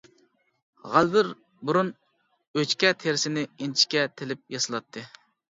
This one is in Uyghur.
غەلۋىر بۇرۇن ئۆچكە تېرىسىنى ئىنچىكە تىلىپ ياسىلاتتى.